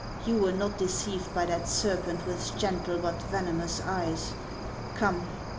You were not de ceived by that serpent with gentle but venomous eyes. Come !